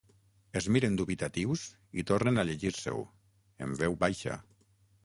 Es miren dubitatius i tornen a llegir-s'ho, en veu baixa.